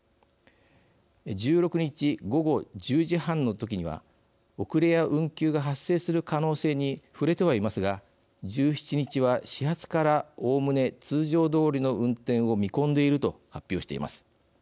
１６日、午後１０時半の時には遅れや運休が発生する可能性に触れてはいますが１７日は始発からおおむね通常どおりの運転を見込んでいると発表しています。